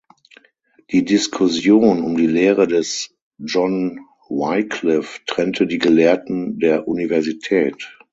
Die Diskussion um die Lehre des John Wyclif trennte die Gelehrten der Universität.